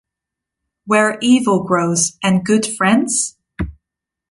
"Where Evil Grows" and "Good Friends?